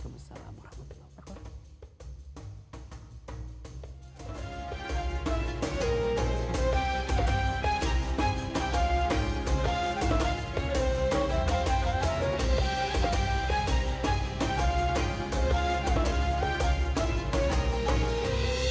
waalaikumsalam warahmatullahi wabarakatuh